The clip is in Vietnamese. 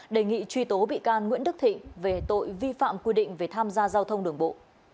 đề nghị truy tố bị can nguyễn đức thịnh về tội vi phạm quy định về tham gia giao thông đường bộ